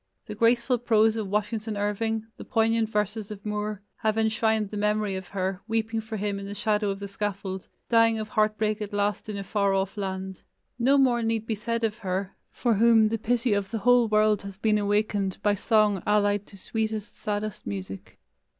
The graceful prose of Washington Irving, the poignant verses of Moore, have enshrined the memory of her, weeping for him in the shadow of the scaffold, dying of heart break at last in a far off land. No more need be said of her, for whom the pity of the whole world has been awakened by song allied to sweetest, saddest music.